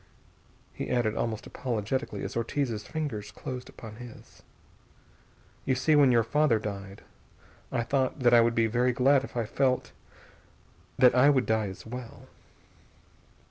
He added almost apologetically as Ortiz's fingers closed upon his: "You see, when your father died I thought that I would be very glad if I felt that I would die as well.